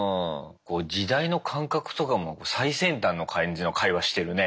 時代の感覚とかも最先端の感じの会話してるね。